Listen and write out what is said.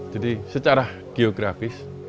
jadi secara geografis